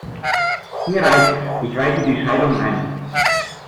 Mir reicht's. Ich reiche die Scheidung ein!